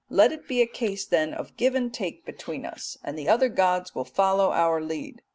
Let it be a case, then, of give and take between us, and the other gods will follow our lead.